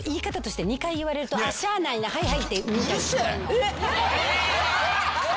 えっ！